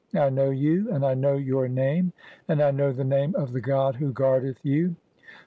(41) I know you, and I know your "name, and I know the name of the god who guardeth you.